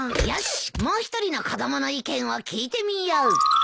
よしもう一人の子供の意見を聞いてみよう。